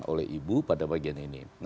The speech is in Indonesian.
oleh ibu pada bagian ini